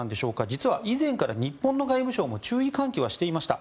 実は、以前から日本の外務省も注意喚起はしていました。